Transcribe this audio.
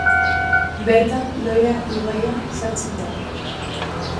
Bertan Loira ibaian sartzen da.